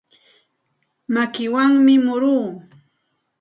Makiwanmi muruu.